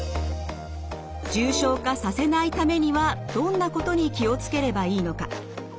重症化させないためにはどんなことに気を付ければいいのか？